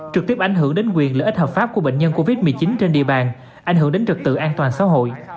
trực tiếp ảnh hưởng đến quyền lợi ích hợp pháp của bệnh nhân covid một mươi chín trên địa bàn ảnh hưởng đến trật tự an toàn xã hội